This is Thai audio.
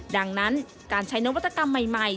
ดังนั้นการใช้นวัตกรรมใหม่